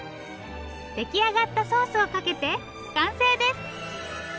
出来上がったソースをかけて完成です！